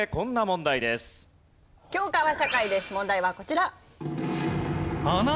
問題はこちら。